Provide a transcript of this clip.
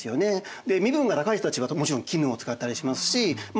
で身分が高い人たちはもちろん絹を使ったりしますしま